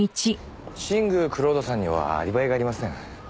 新宮蔵人さんにはアリバイがありません。